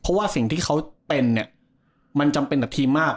เพราะว่าสิ่งที่เขาเป็นเนี่ยมันจำเป็นกับทีมมาก